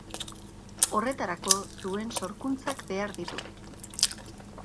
Horretarako zuen sorkuntzak behar ditugu.